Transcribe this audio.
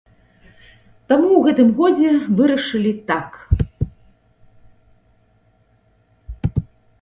Таму ў гэтым годзе вырашылі так.